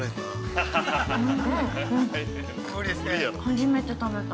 初めて食べた。